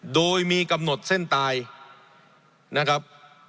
โดยมีกำหนดเส้นตายนะครับ